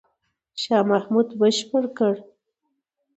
شاه محمود بشپړ کړ.